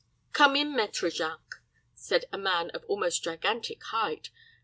"Come in, Maître Jacques," said a man of almost gigantic height.